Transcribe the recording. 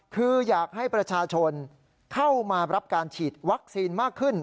คืออยากให้ประชาชนเข้ามารับการฉีดวัคซีนมากขึ้น